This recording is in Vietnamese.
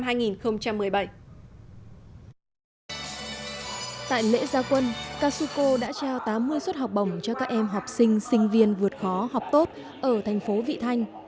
tại lễ gia quân casuco đã trao tám mươi suất học bổng cho các em học sinh sinh viên vượt khó học tốt ở thành phố vị thanh